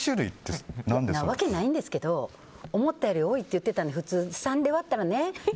そんなわけないんですけど思ったより多いって言っていたから普通、３で割ったらね